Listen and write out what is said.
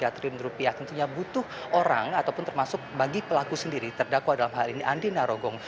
tiga triliun rupiah tentunya butuh orang ataupun termasuk bagi pelaku sendiri terdakwa dalam hal ini andina rogong